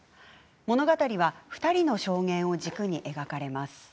物語は２人の証言を軸に描かれます。